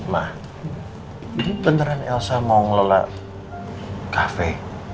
ma ini beneran elsa mau ngelola kafe